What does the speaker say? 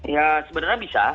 ya sebenarnya bisa